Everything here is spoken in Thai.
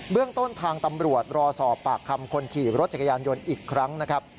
เรื่องต้นทางตำรวจรอสอบปากคำคนขี่รถจักรยานยนต์อีกครั้งนะครับ